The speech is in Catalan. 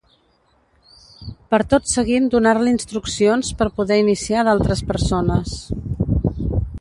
Per tot seguint donar-li instruccions per poder iniciar d’altres persones.